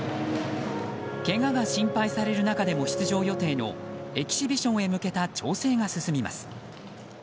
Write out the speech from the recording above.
けがが心配される中でも出場予定のエキシビションへ向けた調整が進みます。